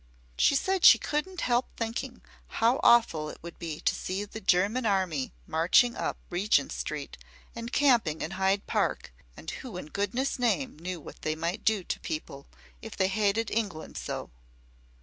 She said she couldn't help thinking how awful it would be to see the German army marching up Regent Street and camping in Hyde Park, and who in goodness' name knew what they might do to people if they hated England so?